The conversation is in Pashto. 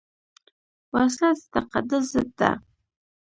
وسله د تقدس ضد ده